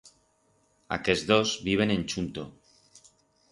Aquers dos viven en chunto.